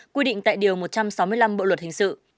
quy định tại điều một trăm sáu mươi năm bộ luật hình sự